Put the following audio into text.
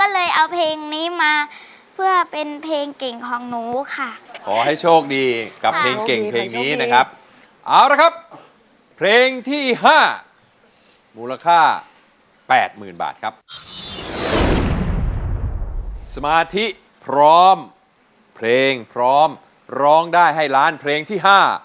เลือกให้ดีนะครับแผ่นไหนครับ